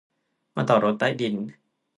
มาต่อรถใต้ดิน